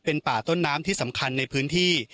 เป็นป่าต้นน้ำที่สำคัญในพื้นที่